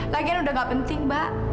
lagian udah gak penting mbak